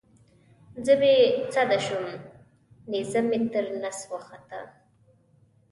زه بې سده شوم نیزه مې تر نس وخوته.